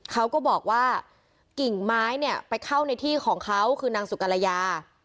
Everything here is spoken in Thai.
เขาก็บอกว่ากิ่งไม้เนี่ยไปเข้าในที่ของเขาคือนางสุกรยา